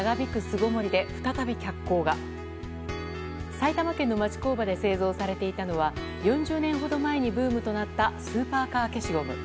埼玉県の町工場で製造されていたのは４０年ほど前にブームとなったスーパーカー消しゴム。